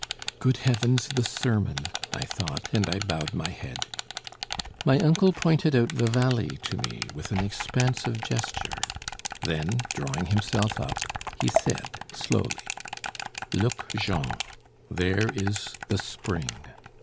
"Good heavens, the sermon!" I thought, and I bowed my head. My uncle pointed out the valley to me, with an expansive gesture; then, drawing himself up, he said, slowly: "Look, Jean, there is the spring.